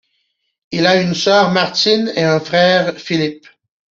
Il a une sœur, Martine, et un frère, Philippe.